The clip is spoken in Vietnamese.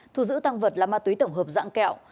thu giữ tăng vật là ma túy tổng hợp dạng kẹo